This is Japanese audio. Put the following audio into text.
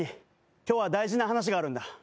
今日は大事な話があるんだ